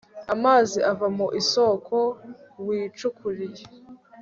amazi ava mu isoko wicukuriye